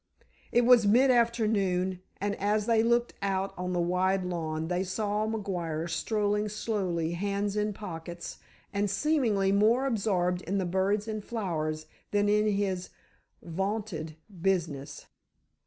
It was mid afternoon, and as they looked out on the wide lawn they saw McGuire strolling slowly, hands in pockets and seemingly more absorbed in the birds and flowers than in his vaunted "business."